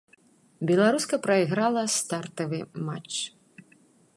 Беларуска прайграла стартавы матч.